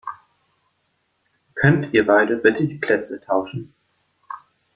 Könnt ihr beide bitte die Plätze tauschen?